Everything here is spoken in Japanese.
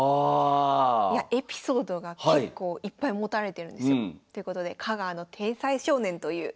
エピソードが結構いっぱい持たれてるんですよ。ということで「香川の天才少年」という。